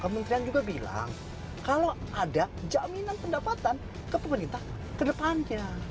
kementerian juga bilang kalau ada jaminan pendapatan ke pemerintah ke depannya